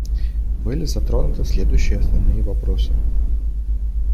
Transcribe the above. Были затронуты следующие основные вопросы.